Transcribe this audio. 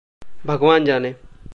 भगवान जाने।